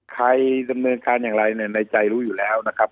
ใครดำเนินการอย่างไรเนี่ยในใจรู้อยู่แล้วนะครับ